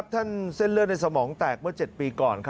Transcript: เส้นเลือดในสมองแตกเมื่อ๗ปีก่อน